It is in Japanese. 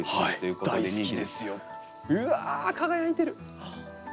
うわ輝いてる。